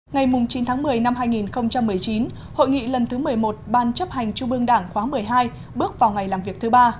ngày chín tháng một mươi năm hai nghìn một mươi chín hội nghị lần thứ một mươi một ban chấp hành trung ương đảng khóa một mươi hai bước vào ngày làm việc thứ ba